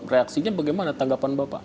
reaksinya bagaimana tanggapan bapak